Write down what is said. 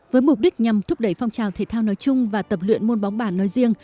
với mục đích nhằm thúc đẩy phong trào thể thao nói chung và tập luyện môn bóng bàn nói riêng